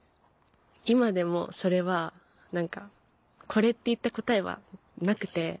今でもそれはこれっていった答えはなくて。